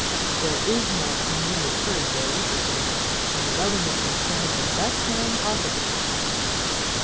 "There is no immediate hurry for a week or two, and the government must send the best man possible."